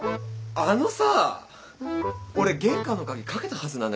あのさ俺玄関の鍵掛けたはずなんだけど。